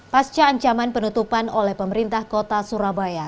pasca ancaman penutupan oleh pemerintah kota surabaya